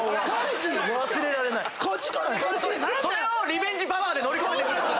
それをリベンジパワーで乗り越えてく。